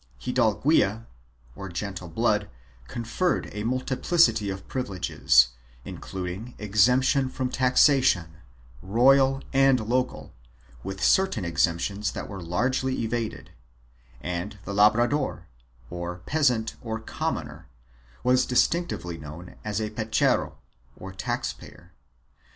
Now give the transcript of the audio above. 3 Hidalguia, or gentle blood, conferred a multi plicity of privileges, including exemption from taxation, royal and local, with certain exceptions that were largely evaded, and the labrador — the peasant or commoner — was distinctively known as a pechero or tax payer.